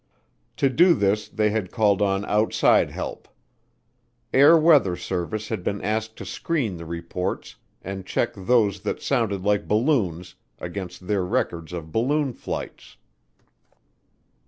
To do this they had called on outside help. Air Weather Service had been asked to screen the reports and check those that sounded like balloons against their records of balloon flights.